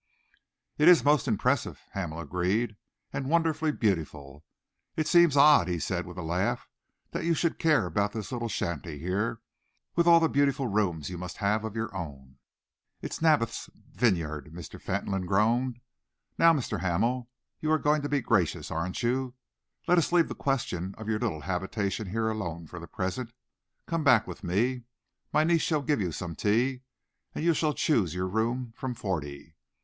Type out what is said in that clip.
"It is most impressive," Hamel agreed, "and wonderfully beautiful. It seems odd," he added, with a laugh, "that you should care about this little shanty here, with all the beautiful rooms you must have of your own." "It's Naboth's vineyard," Mr. Fentolin groaned. "Now, Mr. Hamel, you are going to be gracious, aren't you? Let us leave the question of your little habitation here alone for the present. Come back with me. My niece shall give you some tea, and you shall choose your room from forty.